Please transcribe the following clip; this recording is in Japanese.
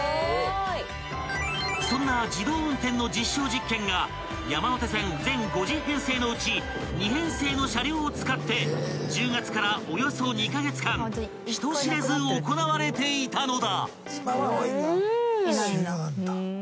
［そんな自動運転の実証実験が山手線全５０編成のうち２編成の車両を使って１０月からおよそ２カ月間人知れず行われていたのだ］